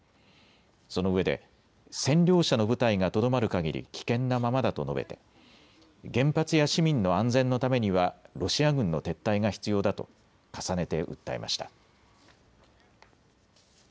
そのうえで占領者の部隊がとどまるかぎり危険なままだと述べて原発や市民の安全のためにはロシア軍の撤退が必要だと重ねて訴えました。